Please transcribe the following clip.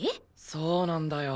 そうなんだよ。